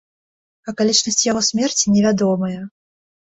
Акалічнасці яго смерці невядомыя.